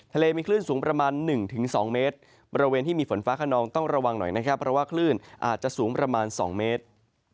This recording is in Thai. ทะเลมีคลื่นสูงประมาณ๑๒เมตรบริเวณที่มีฝนฟ้าขนองต้องระวังหน่อยนะครับเพราะว่าคลื่นอาจจะสูงประมาณ๒เมตร